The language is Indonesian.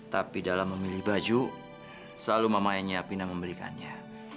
tapi dalam memilih baju selalu mama yang siapin dan membelikannya